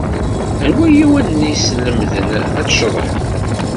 Anwa ay awen-yeslemden ad tceḍḥem?